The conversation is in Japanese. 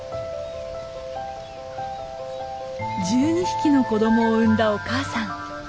１２匹の子供を産んだお母さん。